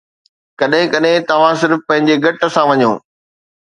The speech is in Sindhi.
ڪڏهن ڪڏهن توهان صرف پنهنجي گٽ سان وڃو